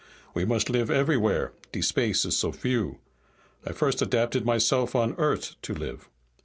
We must live everywhere, de space is so few. I first adapted myself on Eart' to live.